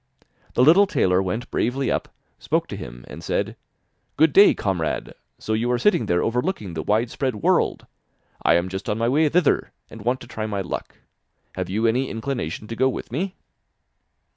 The little tailor went bravely up, spoke to him, and said: 'Good day, comrade, so you are sitting there overlooking the wide spread world! I am just on my way thither, and want to try my luck. Have you any inclination to go with me?